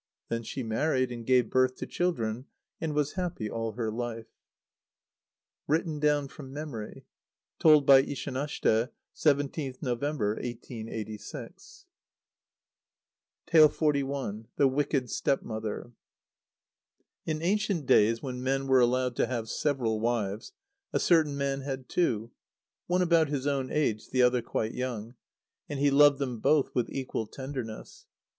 Then she married, and gave birth to children, and was happy all her life. (Written down from memory. Told by Ishanashte, 17th November, 1886.) xli. The Wicked Stepmother. In ancient days, when men were allowed to have several wives, a certain man had two one about his own age, the other quite young, and he loved them both with equal tenderness.